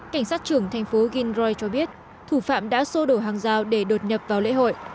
cảnh sát trưởng thành phố gingroy cho biết thủ phạm đã xô đổ hàng rào để đột nhập vào lễ hội